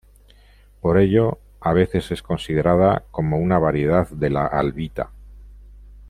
Por ello, a veces es considerada como una variedad de la albita.